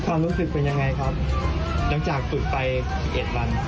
ความรู้สึกเป็นยังไงครับหลังจากฝึกไป๗วัน